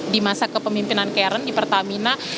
di masa kepemimpinan karen di pertamina